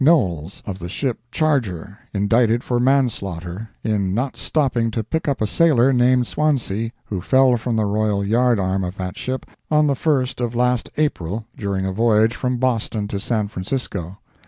Knowles, of the ship Charger, indicted for manslaughter, in not stopping to pick up a sailor named Swansea, who fell from the royal yard arm of that ship, on the 1st of last April, during a voyage from Boston to San Francisco.